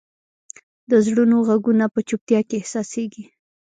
د زړونو ږغونه په چوپتیا کې احساسېږي.